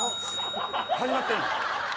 始まってる。